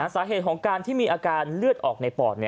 สาเหตุของการที่มีอาการเลือดออกในปอด